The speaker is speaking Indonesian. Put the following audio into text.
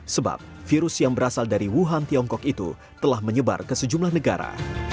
sebab virus yang berasal dari wuhan tiongkok itu telah menyebar ke sejumlah negara